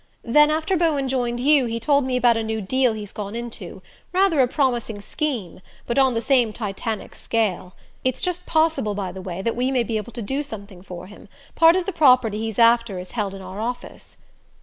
Then, after Bowen joined you, he told me about a new deal he's gone into rather a promising scheme, but on the same Titanic scale. It's just possible, by the way, that we may be able to do something for him: part of the property he's after is held in our office."